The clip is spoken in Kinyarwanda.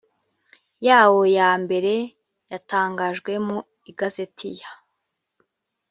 yawo ya mbere yatangajwe mu igazeti ya